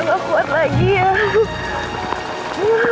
lu masih di tunduk